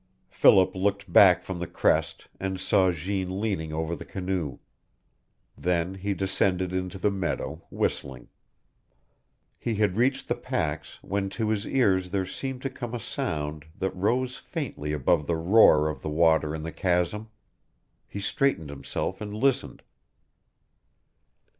Philip looked back from the crest and saw Jeanne leaning over the canoe. Then he descended into the meadow, whistling. He had reached the packs when to his ears there seemed to come a sound that rose faintly above the roar of the water in the chasm. He straightened himself and listened.